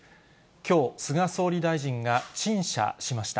きょう、菅総理大臣が陳謝しました。